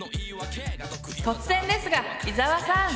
突然ですが伊沢さん！